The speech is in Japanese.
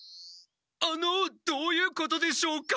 あのどういうことでしょうか？